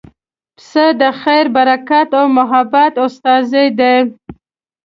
پسه د خیر، برکت او محبت استازی دی.